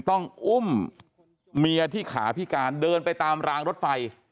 ต้องอุ้มเมียที่ขาพิการเดินไปตามรางรถไฟ